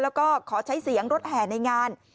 แล้วก็ขอใช้เสียงรถแห่ในงาน